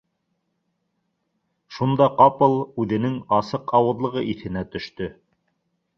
Шунда ҡапыл үҙенең асыҡ ауыҙлығы иҫенә төштө